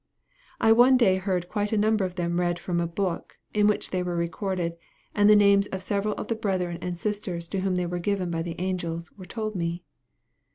I one day heard quite a number of them read from a book, in which they were recorded, and the names of several of the brethren and sisters to whom they were given by the angels, were told me.